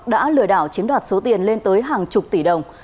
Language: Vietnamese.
đã lừa đảo chiếm đoạt số tiền lên tới hàng chục tỷ đồng